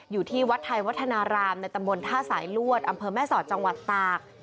อยู่ที่วัดไทยวัฒนารามในตำบลท่าสายลวดอำเภอแม่สอดจังหวัดตาก